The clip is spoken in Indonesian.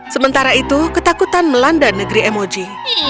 sementara itu ketakutan melanda negeri emoji